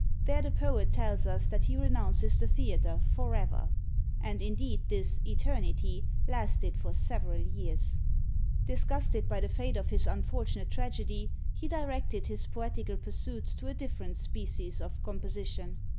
There the poet tells us that he renounces the theatre for ever! and indeed this eternity lasted for several years! Disgusted by the fate of his unfortunate tragedy, he directed his poetical pursuits to a different species of composition.